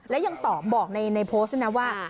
และยังตอบบอกในโพสต์ด้วยนะว่า